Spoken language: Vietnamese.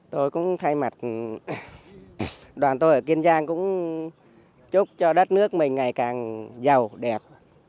tôi cũng thay mặt đoàn tôi ở kiên giang cũng chúc cho đất nước mình ngày càng giàu đẹp